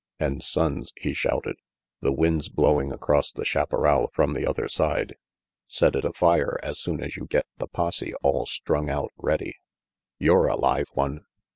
"And Sonnes," he shouted, "the wind's blowing across the chaparral from the other side. Set it afire as soon as you get the posse all strung out ready "You're a live one!"